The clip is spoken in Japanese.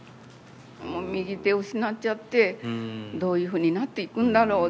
もう右手を失っちゃってどういうふうになっていくんだろう